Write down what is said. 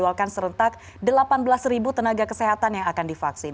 dijawabkan serentak delapan belas tenaga kesehatan yang akan divaksin